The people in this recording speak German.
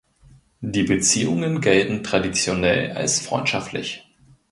Die Beziehungen gelten traditionell als freundschaftlich.